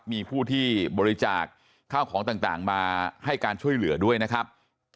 มีผู้ที่บริจาคข้าวของต่างมาให้การช่วยเหลือด้วยนะครับ